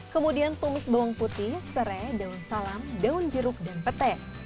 kemudian tumis bawang putih serai daun salam daun jeruk dan petai